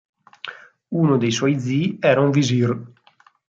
Uno dei suoi zii era un visir.